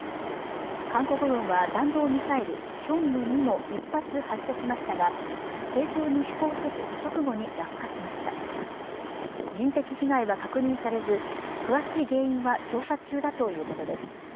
韓国軍は弾道ミサイルヒョンム２も１発発射しましたが正常に飛行せず直後に落下しました人的被害は確認されず詳しい原因は調査中だということです